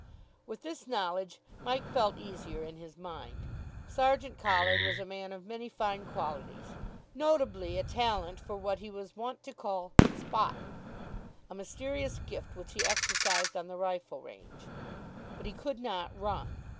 With this knowledge, Mike felt easier in his mind. Sergeant Collard was a man of many fine qualities, (notably a talent for what he was wont to call "spott'n," a mysterious gift which he exercised on the rifle range), but he could not run.